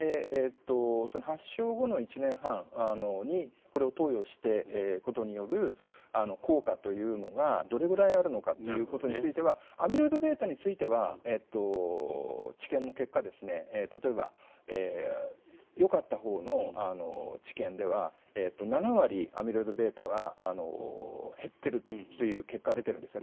発症後の１年半にこれを投与することによる効果というのがどれくらいあるのかということについてはアミロイドβについては治験の結果例えば、よかったほうの治験では７割、アミロイドβは減っているという結果が出ているんですね。